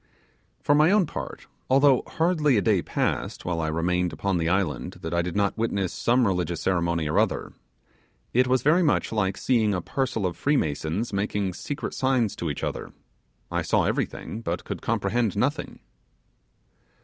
For my own part, although hardly a day passed while I remained upon the island that I did not witness some religious ceremony or other, it was very much like seeing a parcel of 'Freemasons' making secret signs to each other; I saw everything, but could comprehend nothing.